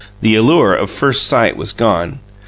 The allure of first sight was gone.